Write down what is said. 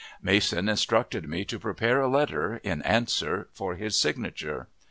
Mason instructed me to prepare a letter, in answer, for his signature.